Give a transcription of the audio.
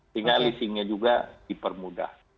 sehingga leasingnya juga dipermudah